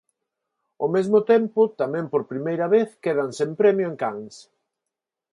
Ao mesmo tempo, tamén por primeira vez, quedan sen premio en Cannes.